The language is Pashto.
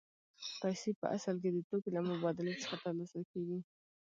پیسې په اصل کې د توکو له مبادلې څخه ترلاسه کېږي